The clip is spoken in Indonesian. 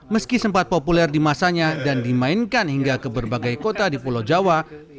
meski sempat populer di masanya dan dimainkan hingga ke berbagai kota di pulau jawa